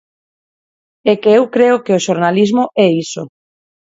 É que eu creo que o xornalismo é iso.